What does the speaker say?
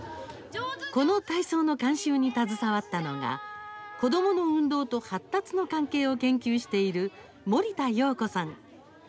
この体操の監修に携わったのが子どもの運動と発達の関係を研究している森田陽子さん。